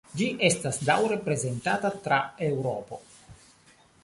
Ĝi estas daŭre prezentata tra Eŭropo.